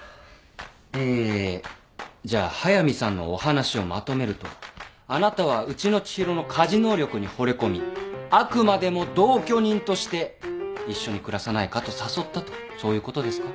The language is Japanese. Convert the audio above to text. えじゃあ速見さんのお話をまとめるとあなたはうちの知博の家事能力にほれ込みあくまでも同居人として一緒に暮らさないかと誘ったとそういうことですか？